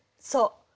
そう。